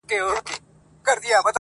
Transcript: نه په وطن کي آشیانه سته زه به چیري ځمه-